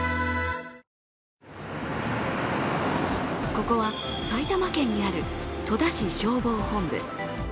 ここは埼玉県にある戸田市消防本部。